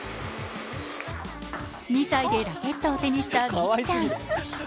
２歳でラケットを手にした美空ちゃん。